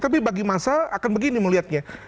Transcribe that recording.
tapi bagi masa akan begini melihatnya